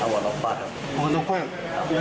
เราก็เลยสำนวนเลย